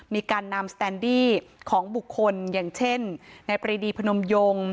มีการนำสแตนดี้ของบุคคลอย่างเช่นในปรีดีพนมยง